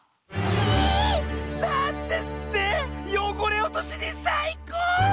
キイー！なんですってよごれおとしにさいこう⁉